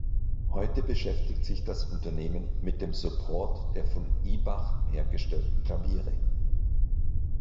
Heute beschäftigt sich das Unternehmen mit dem Support der von Ibach hergestellten Klaviere.